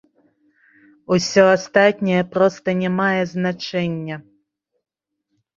Усё астатняе проста не мае значэння.